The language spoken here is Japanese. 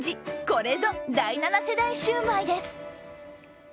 これぞ、第７世代シュウマイです。